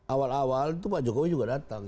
awal awal itu pak jokowi juga datang